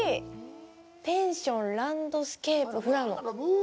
ペンションランドスケープふらの。